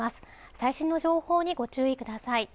最新の情報にご注意ください